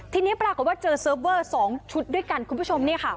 ทีนี้ปรากฏว่าเจอเซิร์ฟเวอร์๒ชุดด้วยกันคุณผู้ชมเนี่ยค่ะ